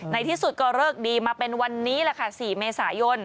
ในที่สุดก็เลิกดีมาเป็นวันนี้แหละค่ะ๔เมษายน